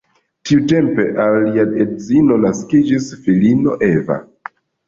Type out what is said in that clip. Tiutempe al lia edzino naskiĝis filino Eva.